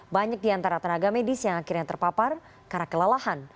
banyak di antara tenaga medis yang akhirnya terpapar karena kelelahan